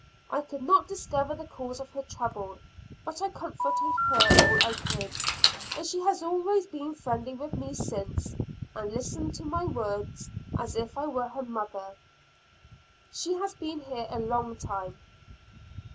I could not discover the cause of her trouble, but I comforted her all I could, and she has always been friendly with me since, and listened to my words as if I were her mother. She has been here a long time.